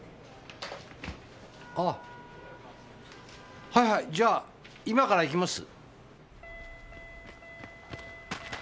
あはいはいじゃあ今から行きます。